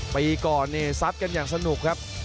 ปีก่อนเนี่ยซัดกันอย่างสนุกครับ